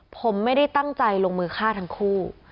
ผมไม่ได้ตั้งใจลงมือฆ่าทั้งคู่